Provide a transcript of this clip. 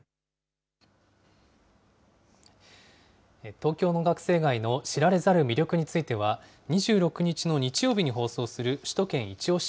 東京の学生街の知られざる魅力については、２６日の日曜日に放送する首都圏いちオシ！